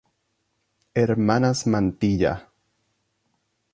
Hermanas Mantilla.